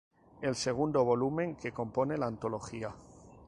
El segundo volumen que compone la antología.